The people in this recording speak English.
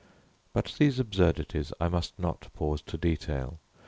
But these absurdities I must not pause to detail.